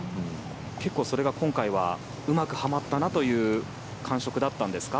結構それは今回はうまくはまったなという感触だったんですか？